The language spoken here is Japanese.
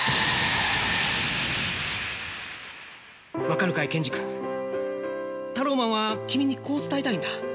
分かるかい健二君タローマンは君にこう伝えたいんだ。